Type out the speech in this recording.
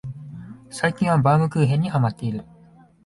最近はバウムクーヘンにハマってる